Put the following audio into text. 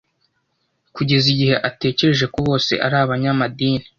kugeza igihe atekereje ko bose ari abanyamadini